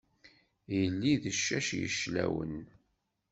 Yelli d ccac yeclawan.